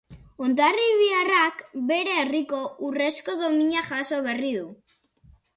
Hondarribiarrak bere herriko urrezko domina jaso berri du.